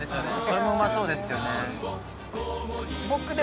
それもうまそうですよね